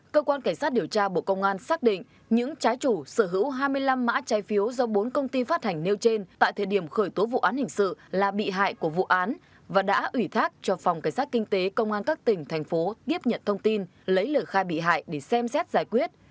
cơ quan cảnh sát điều tra bộ công an xác định những trái chủ sở hữu hai mươi năm mã trái phiếu do bốn công ty phát hành nêu trên tại thời điểm khởi tố vụ án hình sự là bị hại của vụ án và đã ủy thác cho phòng cảnh sát kinh tế công an các tỉnh thành phố tiếp nhận thông tin lấy lời khai bị hại để xem xét giải quyết